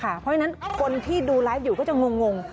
เพราะฉะนั้นคนที่ดูไลฟ์อยู่ก็จะงง